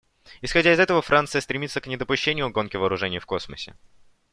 Исходя из этого, Франция стремится к недопущению гонки вооружений в космосе.